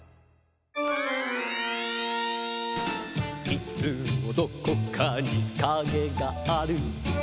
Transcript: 「いつもどこかにカゲがある」